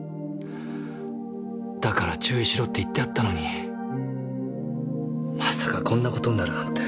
だから注意しろって言ってあったのにまさかこんな事になるなんて。